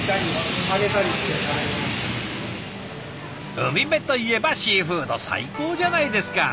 海辺といえばシーフード最高じゃないですか！